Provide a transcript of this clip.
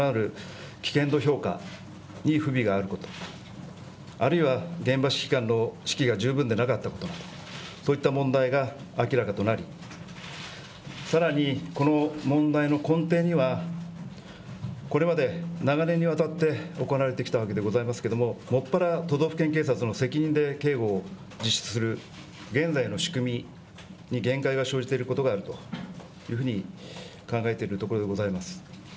警護計画やその前提となる危険度評価に不備があること、あるいは現場指揮官の士気が十分でなかったこと、そういった問題が明らかとなりさらにこの問題の根底にはこれまで長年にわたって行われてきたわけでございますけれどももっぱら都道府県警察の責任で警護を実施する現在の仕組みに限界が生じていることがあるというふうに考えているところでございます。